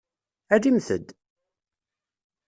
Alimt-d!